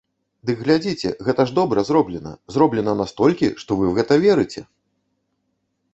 Дык глядзіце, гэта ж добра зроблена, зроблена настолькі, што вы ў гэта верыце!